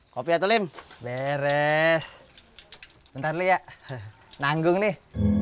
kopi atau lim beres nanti ya nanggung nih